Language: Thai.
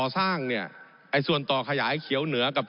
ผมอภิปรายเรื่องการขยายสมภาษณ์รถไฟฟ้าสายสีเขียวนะครับ